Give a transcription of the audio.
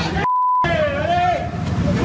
เฮ้ยเฮ้ย